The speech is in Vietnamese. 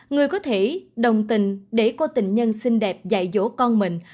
người có thể đồng tình để cô tình nhân xinh đẹp dạy dỗ con mình